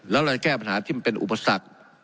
แล้วเราจะแก้ปัญหาที่มันเป็นอุปสรรค